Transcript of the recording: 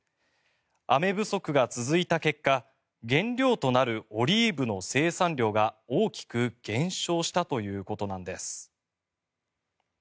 雨不足が続いた結果原料となるオリーブの生産量が大きく減少したということなんです。